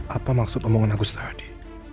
apa maksud omongan agus tadi